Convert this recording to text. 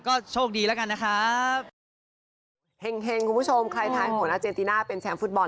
ก็โชคดีแล้วกันนะครับ